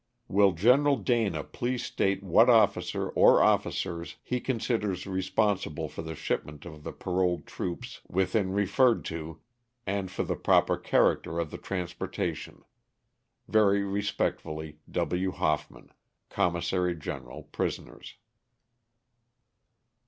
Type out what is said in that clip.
Will General Dana please state what officer, or officers, ho considers responsible for the shipment of the paroled troops within referred to and for the proper character of the traas portatioD. Very respectfully, W. HOFFMAN, Commissary General Prisoners.